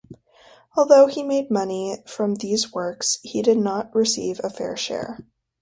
Although he made money from these works, he did not receive a fair share.